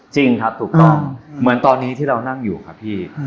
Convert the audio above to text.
จริงครับถูกต้องเหมือนตอนนี้ที่เรานั่งอยู่ครับพี่